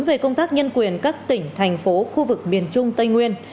về công tác nhân quyền các tỉnh thành phố khu vực miền trung tây nguyên